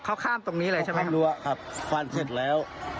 เขาข้ามตรงนี้เลยครับฟันเสร็จแล้ว